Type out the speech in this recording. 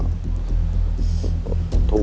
ผมคิดว่าสงสารแกครับ